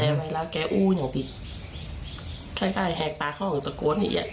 แต่เวลาแกอู้อย่างดีใกล้แฮกปากเขาของตะโกนอีกอย่าง